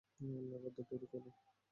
নৈবেদ্য তৈরি করুন।